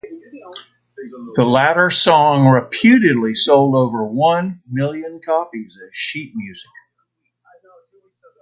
The latter song reputedly sold over one million copies as sheet music.